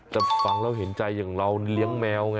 แต่ฟังแล้วเห็นใจอย่างเราเลี้ยงแมวไง